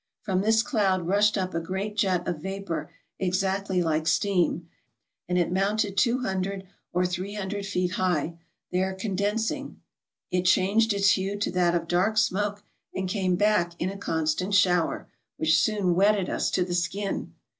From this cloud rushed up a great jet of vapor exactly like steam, and it mounted two hundred or three hundred feet high ; there condensing, it changed its hue to that of dark smoke, and came back in a constant shower, which soon wetted us to the skin.